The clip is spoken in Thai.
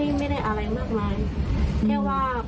หนูมีอะไรจะบอกคุณแม่ของสามีบ้างไหม